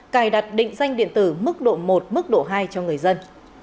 cài đặt định danh điện tử mức độ một mức độ hai cho người dân